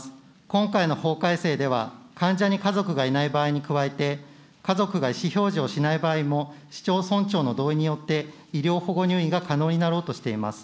今回の法改正では、患者に家族がいない場合に加えて、家族が意思表示をしない場合も、市町村長の同意によって、医療保護入院が可能になろうとしています。